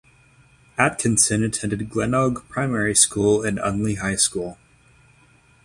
Atkinson attended Glenelg Primary School and Unley High School.